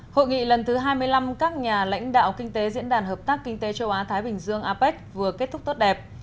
hội nghị lần thứ hai mươi năm các nhà lãnh đạo kinh tế diễn đàn hợp tác kinh tế châu á thái bình dương apec vừa kết thúc tốt đẹp